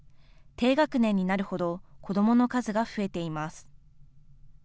低学年になるほど子どもの数が増えています。